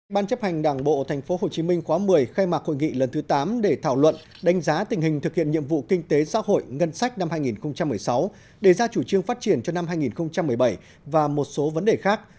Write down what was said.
ban chấp hành đảng bộ tp hcm khóa một mươi khai mạc hội nghị lần thứ tám để thảo luận đánh giá tình hình thực hiện nhiệm vụ kinh tế xã hội ngân sách năm hai nghìn một mươi sáu đề ra chủ trương phát triển cho năm hai nghìn một mươi bảy và một số vấn đề khác